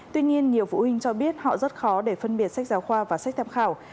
tuy nhiên nhiều phụ huynh cho biết họ rất khó để phân biệt sách giáo khoa và sách tham khảo